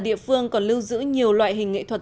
địa phương còn lưu giữ nhiều loại hình nghệ thuật